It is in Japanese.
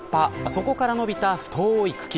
そこから伸びた太い茎。